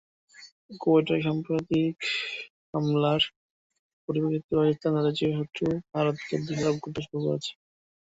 কোয়েটায় সাম্প্রতিক হামলার পরিপ্রেক্ষিতে পাকিস্তান তাদের চিরশত্রু ভারতকে দোষারোপ করতে শুরু করেছে।